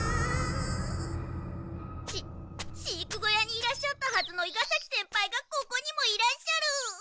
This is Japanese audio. し飼育小屋にいらっしゃったはずの伊賀崎先輩がここにもいらっしゃる！